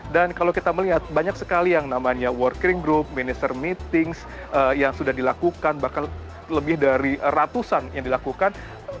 dan kalau kita melihat banyak sekali yang namanya working group minister meeting yang sudah dilakukan bahkan lebih dari ratusan yang dilakukan